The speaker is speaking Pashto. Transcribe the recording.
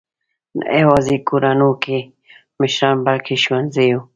نه یواځې کورونو کې مشران، بلکې ښوونځیو.